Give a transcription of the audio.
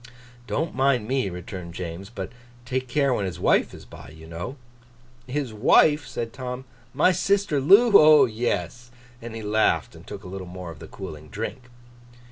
'Don't mind me,' returned James; 'but take care when his wife is by, you know.' 'His wife?' said Tom. 'My sister Loo? O yes!' And he laughed, and took a little more of the cooling drink.